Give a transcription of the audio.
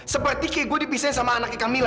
seperti kayak gue dipisahin sama anaknya kamila